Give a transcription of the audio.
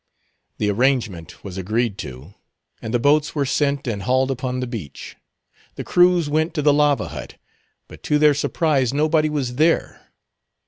The arrangement was agreed to, and the boats were sent and hauled upon the beach. The crews went to the lava hut; but to their surprise nobody was there.